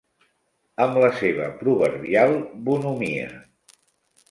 Amb la seva proverbial bonhomia.